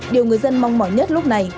điều người dân mong mỏi nhất lúc này